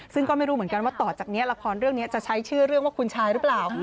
ซึ่งก็ไม่รู้เหมือนกันว่าต่อจากนี้ละครเรื่องนี้จะใช้ชื่อเรื่องว่าคุณชายหรือเปล่า